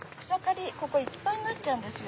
ここいっぱいになるんですよ。